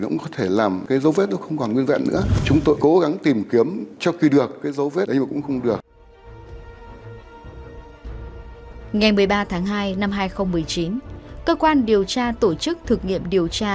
ngày một mươi ba tháng hai năm hai nghìn một mươi chín cơ quan điều tra tổ chức thực nghiệm điều tra